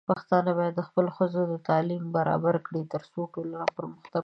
پښتانه بايد خپلو ښځو ته د تعليم زمينه برابره کړي، ترڅو ټولنه پرمختګ وکړي.